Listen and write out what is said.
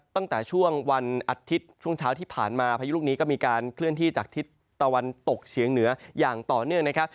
ตั้งแต่ช่วงวันอาทิตย์ช่วงเช้าที่ผ่านมาพายุลูกนี้ก็มีการเคลื่อนที่จากทิศตะวันตกเฉียงเหนืออย่างต่อเนื่องนะครับ